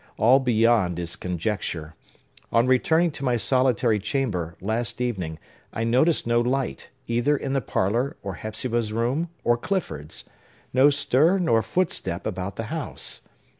All beyond is conjecture. On returning to my solitary chamber, last evening, I noticed no light, either in the parlor, or Hepzibah's room, or Clifford's; no stir nor footstep about the house.